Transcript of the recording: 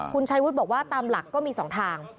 คุณชัยวุฒิบอกว่าตามหลักก็มี๒ทาง